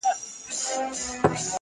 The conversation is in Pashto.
هر یوه ته مي جلا کړی وصیت دی!.